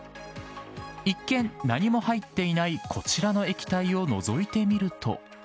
一見、何も入っていないこちらの液体をのぞいてみると。